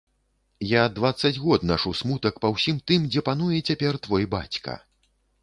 Я дваццаць год нашу смутак па ўсім тым, дзе пануе цяпер твой бацька.